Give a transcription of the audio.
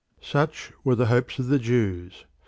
Such were the hopes of the Jews.